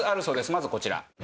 まずこちら。